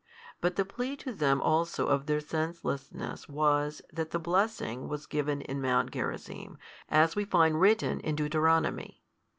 But the plea to them also of their senselessness was, that the blessing was given in Mount Gerizim, as we find written in Deuteronomy.